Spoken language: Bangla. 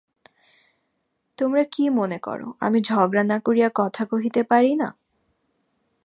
তোমরা কি মনে কর, আমি ঝগড়া না করিয়া কথা কহিতে পারি না?